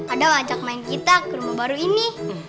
adam ajak main kita ke rumah baru ini